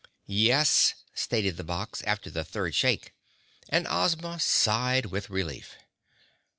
"Yes," stated the box after the third shake, and Ozma sighed with relief.